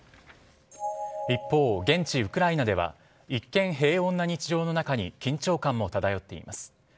一方、現地・ウクライナでは一見平穏な日常の中に緊張感も漂っています。